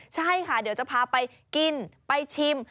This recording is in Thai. ใช่ค่ะเดี๋ยวจะพาไปกินไปชิม